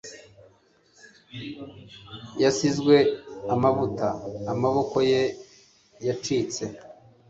yasizwe amavuta amaboko ye yacitse